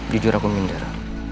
jujur aku minder